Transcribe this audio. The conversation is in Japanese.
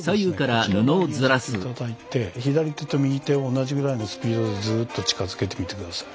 こちら側に寄せて頂いて左手と右手を同じぐらいのスピードでずっと近づけてみて下さい。